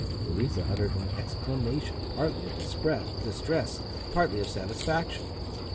Louisa uttered an exclamation, partly of distress, partly of satisfaction.